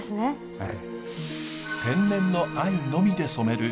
はい。